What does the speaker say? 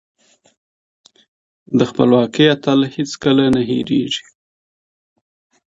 د خپلواکۍ اتل هېڅکله نه هيريږي.